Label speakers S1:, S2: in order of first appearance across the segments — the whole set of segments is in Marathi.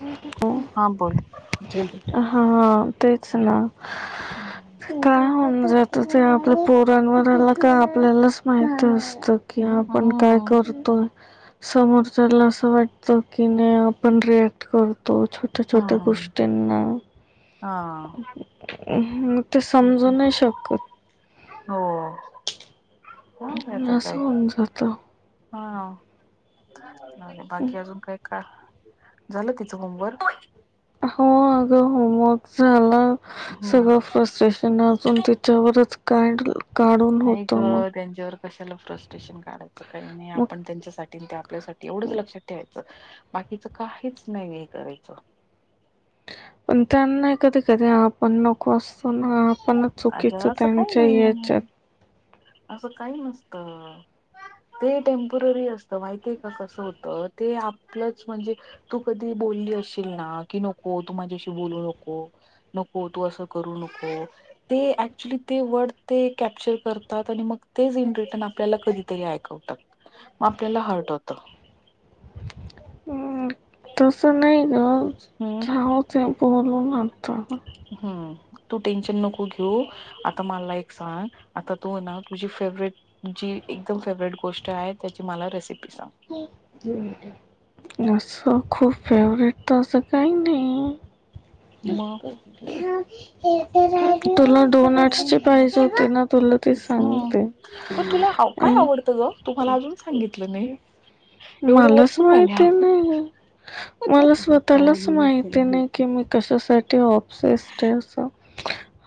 S1: हा.
S2: हां बोल.
S1: हा तेच ना.
S2: हम्म
S1: काय होनार आता ते आपल्या पोरां वरला. का आपल्यालाच माहती असत कि आपण काय?
S2: हम्म
S1: करतोय. समोरच्याला असं वाटत की नाही आपण रिॲक्ट करतो. [unintelligible] छट छोट्या छोटया गोष्टीना ना.
S2: हा.
S1: मग ते समजू नाही शकत.
S2: हो. काय आता काय
S1: असं होऊन जातं.
S2: हा जाऊ दे बाकी अजून काय? का झालं तिचं होमवर्क.
S1: हो अगं होमवर्क झाला
S2: हम्म
S1: सगळं फस्टेश शन अजून तीच्यावरच काड काढून
S2: नाही ग
S1: होतं मग.
S2: त्यांच्यावर कशाला फ्रस्ट्रेशन काढायचं काही नाही आपण
S1: मग
S2: त्यांच्यासाठी आपल्यासाठी एवढंच लक्षात ठेवायचं बाकीच काहीच नाही हे करायचं.
S1: पण त्यांनाही कधी कधी आप आपण नको असतो ना आपणच
S2: अग
S1: चुकीचं
S2: असं काही
S1: त्यांच्या
S2: नाही
S1: याच्यात
S2: असं काही नसतं. ते टेम्पवरी असतं माहिती का? कसं होतं ते आपलंच म्हणजे- तू कधी बोलली अशीलना की नको तू माझ्याशी बोलू नको. नको तू असं करू नको. ते ऍक्च्युली ते वर्ड ते कॅप्चर करतात आणि मग तेच इन रिटर्न आपल्याला कधी- ते ऐकवतात. मग आपल्याला हर्ट होत.
S1: हम् तस नाही ग
S2: हम्म
S1: जाऊ दे नको बोलून आता.
S2: हम्म तू टेन्शन नको घेऊ. आता मला एक सांग आता तू ना तुझी फेवरेट जी एकदम फेव्हरेट गोष्ट आहे. त्याची मला रेसिपी सांग.
S1: असं खूप फेवरेट तर असं काही नाही.
S2: मग
S1: तुला डोनट्सची पाहिजे होती ना तुला. ती
S2: ह
S1: सांगते.
S2: पण तुला काय
S1: आण
S2: आवडतं ग तू मला अजून सांगितलं नाही
S1: [unintelligible]
S2: एवढे
S1: मलाच
S2: वर्ष झाले
S1: माहिती
S2: आपण
S1: नाही मला स्वत त्स्वतः लाच माहिती नाही की मी कशासाठी ऑपसेसट आहे असं.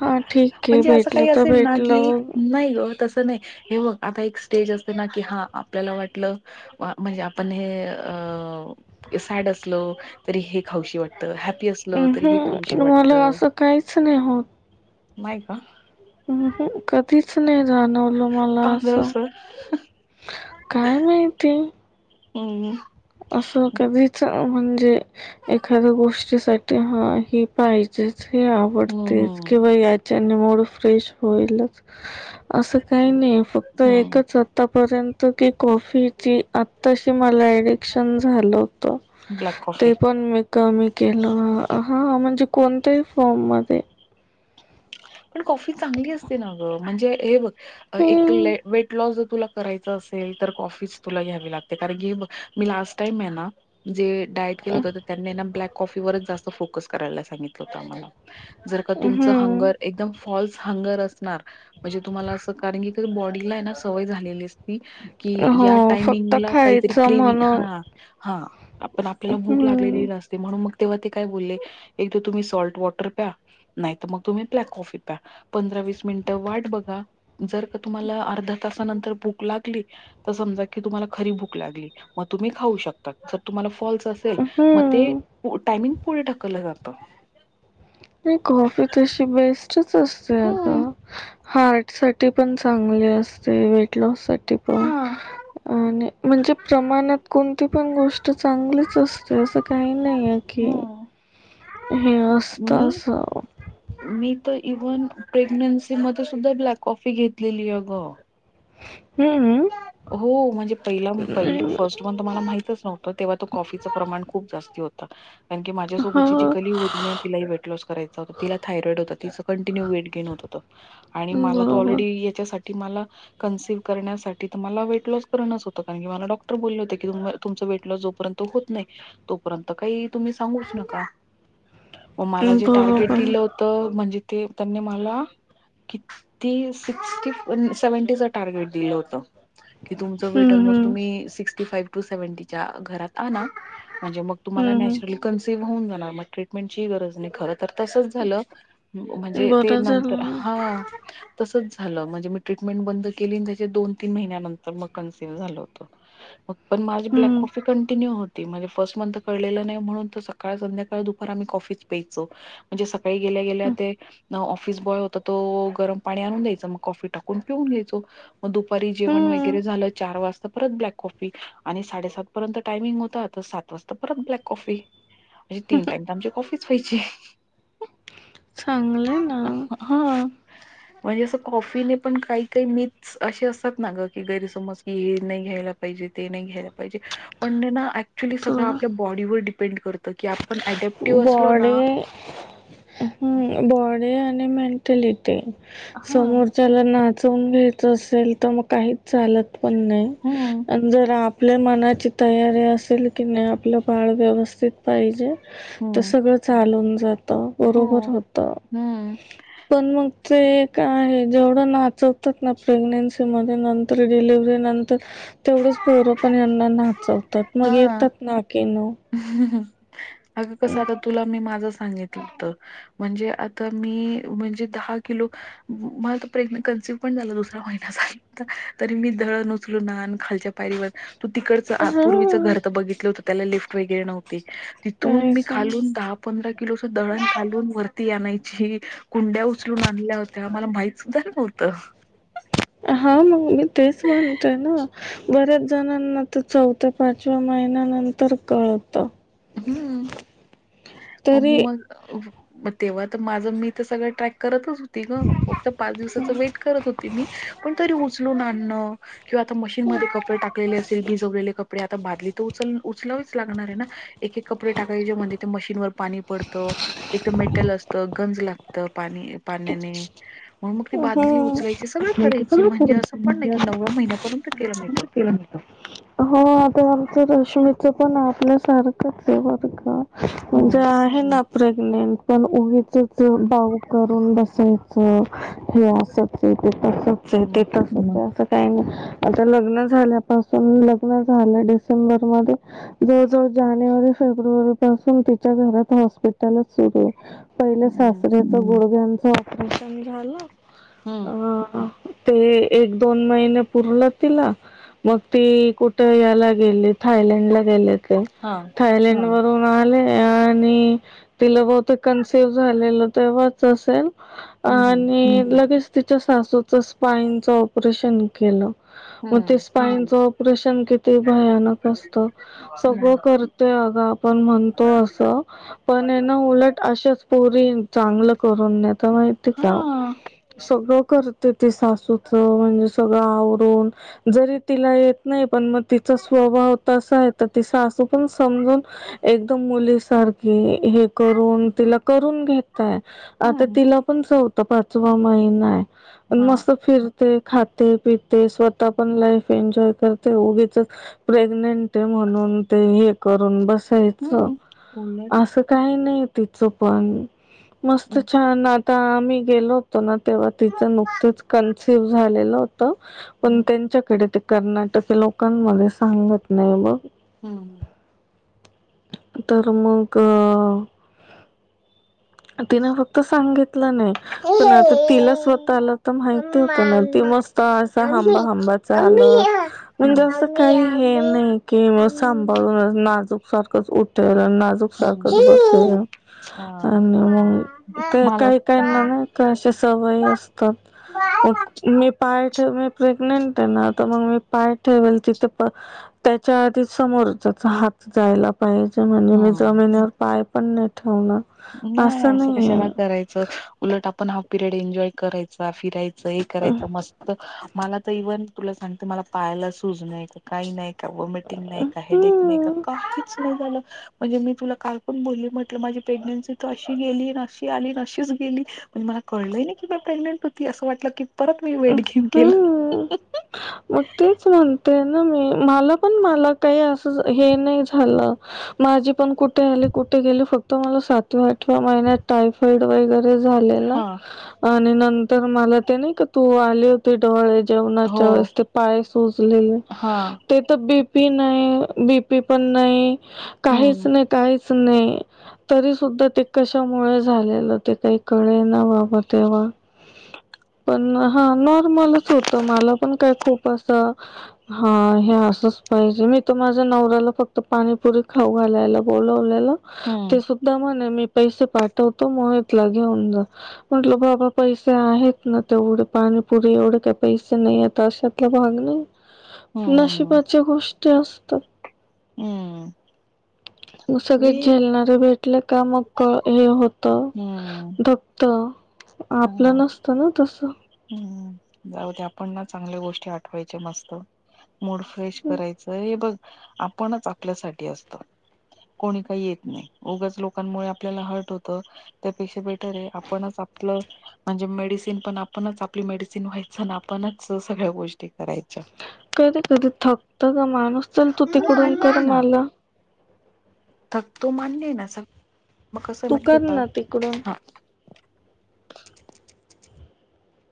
S1: हा ठीक आहे
S2: म्हणजे असं
S1: भेटलं
S2: काही
S1: तर
S2: असेल ना कि
S1: भेटलं
S2: नाही ग तसं नाही. हे बघ आता एक स्टेज ना की हा आपल्याला वाटलं. म्हणजे आपण हे अ सॅड असलो तरी हे खाऊशी वाटतं. हॅपी असलो तरी हे खाऊशी
S1: उहुं. मला
S2: वाटतं.
S1: असं काहीच नाही होत.
S2: माय का?
S1: हम् कधीच नाही जाणवलं मला
S2: का ग
S1: असं. काय माहिती?
S2: हम्.
S1: असं कधीच म्हणजे. एखाद्या गोष्टीसाठी हा हे पाहिजेच हे आहे.
S2: हम्म
S1: आवडतेच
S2: हम्म
S1: किंवा यांच्याशी मूड फ्रेश होईलच. असं काही नाही फक्त
S2: हम्म
S1: एकच आतापर्यंत कि कॉफी- कि आता शि मला एडिकशन झालं होत‌.
S2: ब्लॅक कॉफी
S1: पण मी कमी केलं हा म्हणजे कोणत्याही फॉर्म मध्ये
S2: पण कॉफी चांगली असते ना ग म्हणजे हे बघ एक
S1: हम्म.
S2: वेट लॉस जर तुला करायच असेल तर कॉफीच तुला घ्यावि लागते. कारण की हे बघ मी लास्ट टाईम हेना डायट केलं होत, तर त्यांनीना ब्लॅक कॉफीवरच जास्त फोकस करायला सांगितलं होत आम्हाला जर का तुमच
S1: हम्म
S2: हंगर. एकदम फॉल्स हंगर असणार. म्हणजे तुम्हाला असं कारण की बॉडीला ना सवय झालेली अस कि या
S1: हो फक्त
S2: टायमिंगला काहीतरी
S1: खायचं
S2: क्रेविंग
S1: म्हणून
S2: हा हा आपण आपल्याला भूक
S1: हम्म
S2: लागलेली नसते. म्हणून मग तेव्हा ते काय बोलले. एक तर तुम्ही सॉल्ट वॉटर प्या नाही तर मग तुम्ही ब्लॅक कॉफी प्या. पंधरा वीस मिनिटं वाट बघा. जर का तुम्हाला अर्धा तासानंतर भूक लागली समजा की तुम्हाला खरी भूक लागली, मग तुम्ही खाऊ शकता ज तुम्हाला फॉ असेल मग ते
S1: हम्म
S2: टामिंग पुढे ढकलं जात.
S1: नाही, कॉफी तशी बेस्टच असते अ ग
S2: हम्म
S1: हार्ट साठी पण चांगली असते. वेट लॉस साठी पण
S2: हां
S1: आणि म्हणजे प्रमाणात कोणती पण गोष्ट चांगलीच असते, असं काही नाही आहे की.
S2: हम्म.
S1: हे
S2: मी
S1: असतं अस.
S2: मी तर इव्हन प्रेग्नन्सी मध्ये सुद्धा ब्लॅक कॉफी घेतलेली अगं.
S1: हम्मम
S2: हो म्हणजे पहिला पहिल फर्स्ट इव्हन तुम्हाला माहितच नव्हतं. तेव्हा तो कॉफीचं प्रमाण खूप जास्ती होत. कारण की
S1: हा
S2: माझ्यासोबतची जी कलीन होती ना. तिला वेट लॉस कयचा होता. तिला थायरॉईड होत तिचं पण वेट गेन होत होंत. आणि मला तो
S1: बरोबर
S2: ऑलरेडी यांच्यासाठी मला कनसिव करण्यासाठी ती तर मला वेट लॉस करणच होत. कारण की मला डॉक्टर बोलले होत की तुमच वेट लॉस जोर्यंत होत नाही. तोपर्यंत काही तुम्ही सांगूच नका.
S1: मग बरोबर.
S2: तर म्हणजे ते त्यांनी मला. किती सिक्स्टी सेव्हंटीच टार्गेट दिलं होत. कि तुमच वेट
S1: हम्म
S2: ऑलमोस्ट
S1: हम्म
S2: तुम्ही सिक्स्टी फाइव्ह टू सेव्हनटीच्या घरात आणा. म्हणजे मग तुम्हाला
S1: हम्म
S2: नॅचरली कन्सेव्ह होऊन जाणार, मग ट्रीटमेंटची गरज नाही परत तर तसच झालं,
S1: हम्म
S2: म्हणजे ते
S1: बरं
S2: नंतर
S1: झालं
S2: हा तसंच झालं म्हणजे मी ट्रीटमेंट बंद केली त्याचे दोन तीन महिन्यानंतर मग कॅन्सहींव्ह झाल होत. मग पण माझी ब्लॅक
S1: हम्म
S2: कॉफ़ी कंटिन्यू होती. ते म्हणजे फर्ट मंथ कळलेलं नाही म्हणून सकाळ संध्याकाळ दुपार आम्ही कॉफीच प्यायचो. म्हणजे सकाळी गेल्या गेल्या ते, ऑफिस बॉय होता तो गरम पाणी आणून द्यायच मग कॉफी टाकून पिऊन घ्यायचो. मग दुप दपारी जेवण
S1: हम्म
S2: वगैरे झालं चार वाजता परत ब्लॅक कॉफी आणि साडेसात पर्यंत टायमिंग होता तर सात वाजता परत ब्लॅक कॉफी. अे तीन टाईम तर आमची कॉफीच व्हाय ची.
S1: चांगलं ना.
S2: हा म्हणजे असं कॉफीने पण काही काही मीथस असे अस. तात ना ग की गैरसमज की हे नाही घ्यायला पाहिजे ते नाही घ्यायला पाहिजे पण हे ना ऍक् क्च्युली सगळं
S1: तुला
S2: आपल्या बॉडीवर डिपेंड करतं की आपण ऍडॅप्टिव्ह असलो ना.
S1: ह् बॉडी आणि मेंटलिटी
S2: हा
S1: समोर. त्याला नाचवून घ्यायच असेल तर मग काहीच चालत पण नाही.
S2: हम्म
S1: जर आपल्या मनाची तयारी असेल की नाही आपलं बाळ व्यवस्थित पाहिजे. तर
S2: हम्म
S1: सगळं चालून जातं
S2: हो
S1: बरोबर होतं.
S2: हम्म
S1: पण मग ते का आहे जेवढं नाचवतात ना प्रेग्नेन्सी मध्ये न. तर डिलिव्हरी नंतर तेवढेच पोरपण यांना नाचवतात. मग
S2: हा
S1: येतात ना की नो.
S2: अगं कसं आता तुला मी माझं सांगितलं होतं. म्हणजे आता मी म्हणजे दहा किलो. मला प्रेग्न कन्सिव्ह पण झाला दुसऱ्या महिन्याचा तरी मी धळन उचलून आण खालच्या पायरीवर. तिकडच पूर्वीच
S1: हा
S2: घर तर बघितलं होतं त्याला लिफ्ट वगैरे नव्हते तिथून
S1: काय
S2: मी
S1: सांग
S2: खालून दहा. पंधरा किलोच दळण खालून वरती आणायची कुंड्या उचलून आणल्या. ते आम्हाला माहित सुद्धा नव्हतं.
S1: हा मग मी तेच म्हणतोय ना बर. जणांना ते चौथ्या पाचव्या महिन्यानंतर कळत.
S2: हम् मममी
S1: तरी
S2: मग तेव्हा तर माझं मी तर सगळं ट्रॅक. करतच होती ग फक्त पाच दिवसाच वेट करत होती मी पण तरी उचलूनून आणणं. किंवा आता मशीनमध्येध्ये कपडे टाकलेले असेल बिजवलेले कपडे आता बादली तर उचल उचलाच लागणार आहे ना. एक एक कपडे टाकायचे म्हणजे ते मशीनवर पाणी पडतं. एक तर मेटल असतं गंज लागत पाणी पाण्याने. मण ती बादली
S1: हा
S2: उचलायची करायची म्हणजे असं पण नाही की नवव्या महिन्यापर्यंत केलं मिळत.
S1: हो आत्ता आमच्यारश्मीच पण आपल्या सारखं आहे बर का. म्हणजे
S2: हम्म
S1: आहे ना प्रेग्नेंट पण उगीचच भाऊकर. बसायच हे असच ते तस ते
S2: म
S1: त. असं काही नाही आता लग्न झाल्यापासून लग्न झालं डिसेंबर मध्ये जवळ जवळ जानेवारी फेब्रुवारी पासून तिच्या घरात हॉस्पिटलच सुरू आहे. पहिल्या
S2: हम्म
S1: सासऱ्याच गोडग्यांचं ऑपरेशन झालं
S2: हम्म
S1: अ ते एक दोन महिने पुरलं तिला. मग ती कुठ याला गेली थायलंडला गेले तर
S2: हा
S1: थायलंड. वरून आले आ णितिला बहुतेक कन्सिव्ह झालेलं तेव्हाच असेल.
S2: हम्म हम्म
S1: आणि लगेच तिच्या सासूचं स्पाईनच ऑपरेशन केलं. मग ते
S2: हम्म
S1: स्पाईनचं ऑपरेशन किती भयानक असत. सगळं करते अगं आपण म्हणतो असं. पण आहे ना उलट अशेच पुरी चांगलं करून नाही तर माहि ते का
S2: हा
S1: सगळं करते ते सासूचं म्हणजे सगळं आवरून. जरी तिला येत नाही पण मग तिचा स्वभाव त अस आहे तर ति सासू पण समजून. एकदम मुलीसारखी हे करून तिला करून घेत. काय आता
S2: हम्म
S1: तिला पण चौथा पाचवा महिनाए पण
S2: हा
S1: मस्त फिर ते खातय पितय, स्वतः पण लाईफ एन्जॉय करतय, उगीचच प्रेग्नेंट ते म्हणून ते हे करून बसायचं,
S2: हम्म उलट
S1: असंच काय नाय तिचं पण, मस्त
S2: हम्म.
S1: छान का मी गेलो होतो ना तेव्हा तिचं नुकतंच कंन्सीव झालेलं त, पण त्यांच्याकडे ते कर्नाटक लोकांमध्ये सांगत नाही मग.
S2: हम्म.
S1: तर मग आधी नाय होत तर सांगितलं नाही, पण आता तिला स्वतःला तर माहिती
S2: मम्मा
S1: होतं ना, ती
S2: आंबे
S1: नुसता असं
S2: आंबे
S1: हंबा हंबाच
S2: आंबे
S1: चालु,
S2: या
S1: म्हणजे
S2: हम्म.
S1: असं
S2: आंबे
S1: काही हे
S2: आंबे
S1: नाही की मग
S2: आंबे
S1: सांभाळून नाजूक सारखंच उठल आणि नाजूक सारखच बसल,
S2: हम्म.
S1: आणि
S2: आ,
S1: मग ते
S2: मला
S1: काही काहींना नाही का अशा सवयी असतात, उ मी पाय ठेवेल प्रेग्नेंट आहे ना तर मग मी पाय ठेवल तिथं पण त्याच्या आधी समोरच्याचा हात जायला पाहिजे, म्हणजे मी
S2: हा
S1: जमिनीवर पाय पण नाही ठेवणार.
S2: नाय असं कशाला कराय च, उलट आपण हा पिरेड एन्जॉय करायचा, फिरायचं, हे करायचं मस्त बघ, मला तर इव्हन तुला सांगते मला पायाला सुजलय ते. काही नाही का व मीटिंग नाही का हेडिंग नाही का
S1: हम्म
S2: काहीच बस झालं, म्हणजे मी तुला काल पण बोलली म्हटलं माझे प्रेग्नेंसी तू अशी गेली ना अशी आली अशीच गेली, अन मला कळलंही नाही की बाय प्रेग्नेंट होती, असं वाटलं की परत मी वेट गेण केलं, ह
S1: हम्म
S2: ह ह.
S1: मग तेच म्हणते ना मी, मला पण मला काय असंच हे नाही झालं माझे पण कुठे आले कुठे गेले फक्त मला सातवा आठवा महिन्यात तारीख रेड वगैरे झालेलं,
S2: हा
S1: आणि नंत तर मला ते नाही का तू आले होतीस डोहाळे
S2: हो
S1: जेवणाच्या वेळेस ते पाय सुजलेलं,
S2: हा
S1: ते तर डीपी नाई बीपी पण नाही काहीच
S2: हम्म
S1: नाही काही नाही, तरीसुद्धा ते कशामुळे झालेलं ते काही कळना बाब मग तेव्हा, पण हा नॉर्मलच होतं मला पण काय खूप असा, हा हे असंच पाहिजे मी तर माझ्या नवऱ्याला फक् फक्त पाणीपुरी खाऊ घालायला बोलावलेलं, ते
S2: हम्म
S1: सुद्धा धा म्हणे मी पैसे पाठवतो, मोहितला घेऊन जा. म्हणलं बाबा पैसे आहेत ना तेवढे पाणीपुरी एवढे काय पैसे नाही येत अशात हे भाग नाही,
S2: हम्म हम्म
S1: नशिबाच्या गोष्टी असतात.
S2: हम्म.
S1: उषा घेत
S2: ते
S1: झेलनार भेटले का हे होतं,
S2: हम्म
S1: दबतं. आपलं नसतं ना तसं.
S2: हम्म हम्म, जाऊद्या आपण ना चांगल्या गोष्टी आठवायच्या मस्त. मूड फ्रेश करायचं ए बघ, आपणच आपल्यासाठी असतं. कोण काही येत नाही, उगाच लोकांमुळे आपल्याला हर्ट होतं, त्यापेक्षा बाई खरं ए, आपणच आपलं म्हणजे मेडिसिन पण आपणच, आपली मेडिसिन व्हायचं आणि आपणच सगळ्या गोष्टी करायच्या.
S1: कधी कधी थकतं ग माणूस, चल तू
S2: हो
S1: तिकडून
S2: मान्य
S1: कर
S2: आहे ना
S1: मला
S2: थकतो मान्य येणा असा, मग कसंय
S1: तू
S2: माहितीये
S1: कर
S2: का,
S1: ना तिकडून
S2: हा